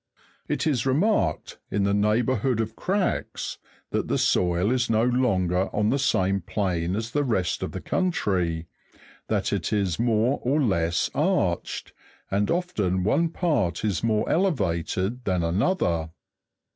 It is remarked, in the neighbourhood of cracks, that the soil is no longer on the same plane as the rest of the country; that it is moie or Jess arched, and often one part is more elevated than another.